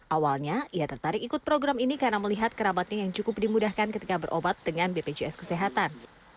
awalnya ia tertarik ikut program ini karena melihat kerabatnya yang cukup dimudahkan ketika berobat dengan bpjs kesehatan